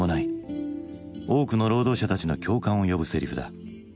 多くの労働者たちの共感を呼ぶセリフだ。